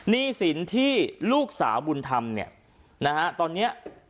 หนี้สินที่ลูกสาวบุญธรรมเนี่ยนะฮะตอนนี้